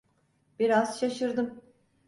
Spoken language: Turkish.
Biraz şaşırdım.